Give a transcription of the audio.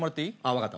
分かった。